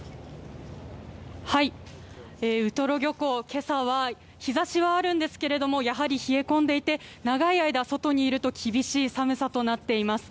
今朝は日差しはあるんですがやはり冷え込んでいて長い間、外にいると厳しい寒さとなっています。